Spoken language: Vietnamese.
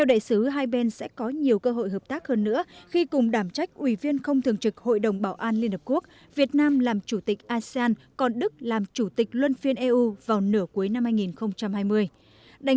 ngay sau khi bão chốt chặn tàu vận tải chở dầu pv alliance quốc tịch việt nam